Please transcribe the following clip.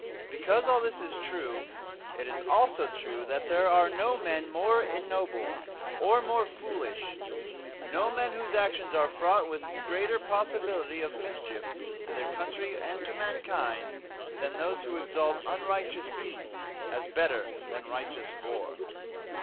Because all this is true, it is also true that there are no men more ignoble or more foolish, no men whose actions are fraught with greater possibility of mischief to their country and to mankind, than those who exalt unrighteous peace as better than righteous war.